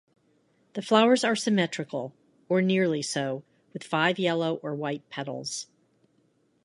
The flowers are symmetrical or nearly so, with five yellow or white petals.